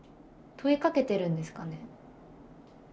問いかけてるんですかね？